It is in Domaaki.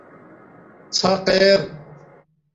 ݼق ار